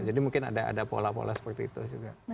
mungkin ada pola pola seperti itu juga